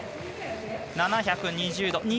７２０度。